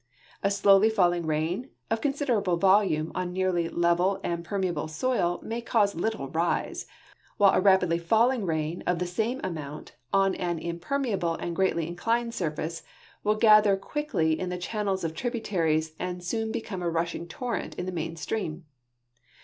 A slowly falling rain of considerable volume on a nearly level and perme able soil may cause little rise, while a ra})idly falling rain of the same amount on an impermeable and greatly inclined surface will gather quickly in the channels of tributaries and soon be come a rushing torrent in the main stream.